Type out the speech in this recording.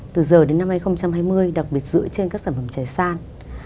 từ giờ đến năm hai nghìn hai mươi đặc biệt dựa trên các sản phẩm trèo san